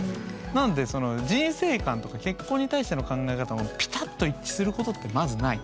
なので人生観とか結婚に対しての考え方もぴたっと一致することってまずない。